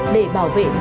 để bảo vệ mọi người